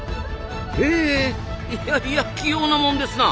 へいやいや器用なもんですなあ。